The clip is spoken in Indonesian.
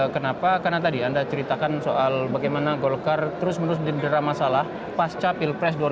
kenapa karena tadi anda ceritakan soal bagaimana golkar terus menerus didera masalah pasca pilpres dua ribu sembilan belas